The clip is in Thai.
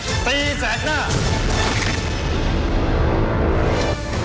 ชูศิษย์ตีแสงหน้า